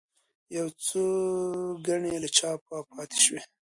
یو څو ګڼې له چاپه پاتې شوې.